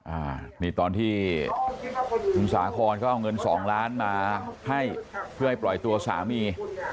อ่านี่ตอนที่คุณสาคอนเขาเอาเงินสองล้านมาให้เพื่อให้ปล่อยตัวสามี